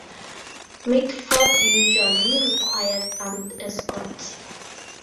Mitford usually required armed escorts.